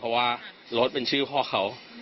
เพราะว่ารถเป็นชื่อพ่อเขา